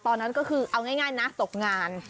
ตอนนั้นก็คือเอาง่ายนะตกงาน